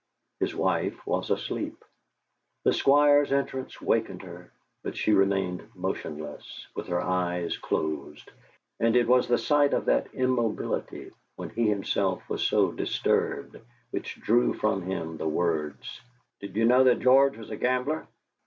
His wife was asleep. The Squire's entrance wakened her, but she remained motionless, with her eyes closed, and it was the sight of that immobility, when he himself was so disturbed, which drew from him the words: "Did you know that George was a gambler?"